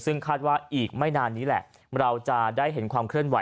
ซึ่งคาดว่าอีกไม่นานนี้แหละเราจะได้เห็นความเคลื่อนไห